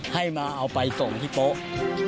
ให้มาเอาไปส่งที่โป๊ะ